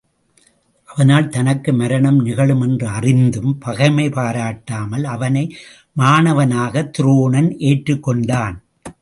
அவனால் தனக்கு மரணம் நிகழும் என்று அறிந்தும் பகைமை பாராட்டாமல் அவனை மாணவனாகத் துரோணன் ஏற்றுக் கொண்டான்.